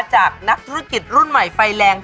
จากนักธุรกิจรุ่นใหม่ไฟแรง